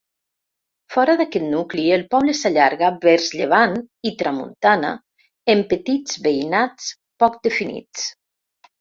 Fora d'aquest nucli el poble s'allarga vers llevant i tramuntana en petits veïnats poc definits.